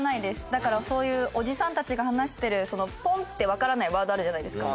だからそういうおじさんたちが話してるそのポンッてわからないワードあるじゃないですか。